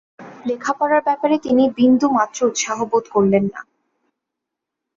লেখা পড়ার ব্যাপারে তিনি বিন্দুমাত্র উৎসাহ বোধ করলেন না।